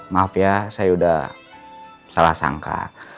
maaf ya saya sudah salah sangka